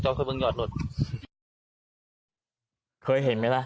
กางเกียงไรตัวเองนล่ะ